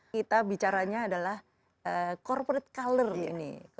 kita bicaranya adalah corporate color ini